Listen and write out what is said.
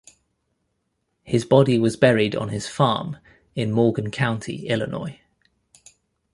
His body was buried on his farm in Morgan County, Illinois.